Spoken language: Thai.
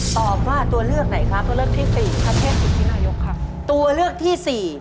ตอบว่าตัวเลือกไหนครับตัวเลือกที่๔